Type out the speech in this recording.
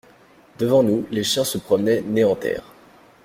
Devant nous les chiens se promenaient nez en terre.